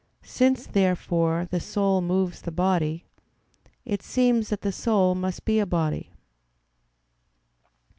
Since, therefore, the soul moves the body, it seems that the soul must be a body.